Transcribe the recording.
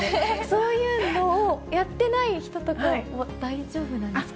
そういうのをやってない人とかも大丈夫なんですか？